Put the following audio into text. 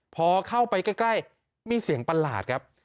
พอเข้าไปใกล้มีเสียงประหลาดครับ